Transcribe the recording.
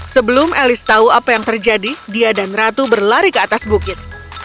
sebelum elis tahu apa yang terjadi dia dan ratu berlari ke atas bukit